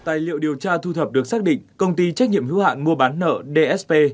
tài liệu điều tra thu thập được xác định công ty trách nhiệm hữu hạn mua bán nợ dsp